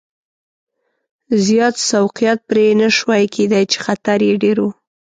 زیات سوقیات پرې نه شوای کېدای چې خطر یې ډېر و.